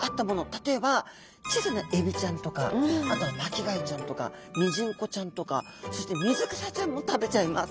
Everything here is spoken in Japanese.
例えば小さなエビちゃんとかあとは巻貝ちゃんとかミジンコちゃんとかそして水草ちゃんも食べちゃいます。